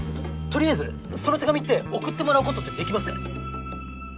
とりあえずその手紙って送ってもらうことってできますか？